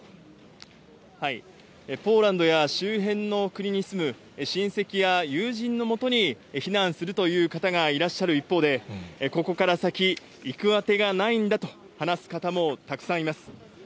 ポーランドや周辺の国に住む親戚や友人のもとに避難するという方がいらっしゃる一方で、ここから先、行くあてがないんだと話す方もたくさんいます。